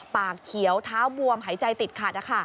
ปากเขียวเท้าบวมหายใจติดขัด